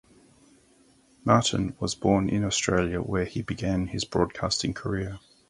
Martin was born in Australia where he began his broadcasting career.